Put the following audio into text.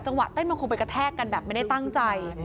วะเต้นมันคงไปกระแทกกันแบบไม่ได้ตั้งใจ